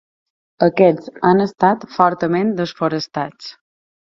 Aquests han estat fortament desforestats.